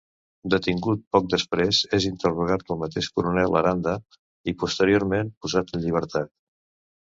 Detingut poc després, és interrogat pel mateix coronel Aranda i posteriorment posat en llibertat.